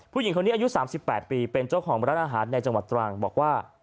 ผู้หญิงคนนี้อายุ๓๘ปีเป็นเจ้าของร้านอาหารในจังหวัดตรังบอกว่า